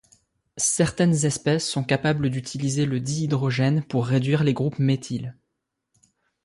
Certaines espèces sont capables d'utiliser le dihydrogène pour réduire les groupes méthyle.